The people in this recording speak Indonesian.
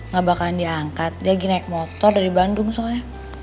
gak bakal diangkat dia lagi naik motor dari bandung soalnya